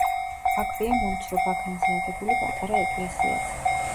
აქვეა მომცრო ბაქანზე აგებული პატარა ეკლესიაც.